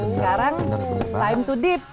sekarang time to dip